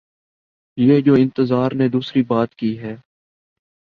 یہ جو انتظار نے دوسری بات کی ہے۔